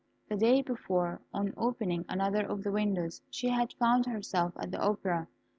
The day before, on opening another of the windows, she had found herself at the opera.